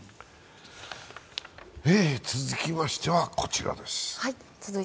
続きましてはこちらです。